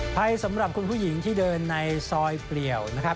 ภัยสำหรับคุณผู้หญิงที่เดินในซอยเปลี่ยวนะครับ